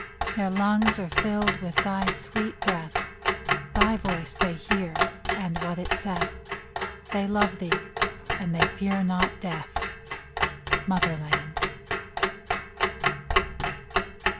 Their lungs are filled with thy sweet breath ; Thy voice they hear, and what it saith ; They love thee, and they fear not death, Mother land